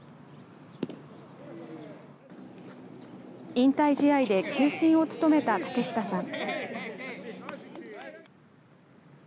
引退試合で球審を務めた竹下さん。